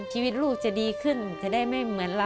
ชีวิตลูกจะดีขึ้นจะได้ไม่เหมือนเรา